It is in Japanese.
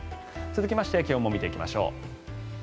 続きまして気温も見ていきましょう。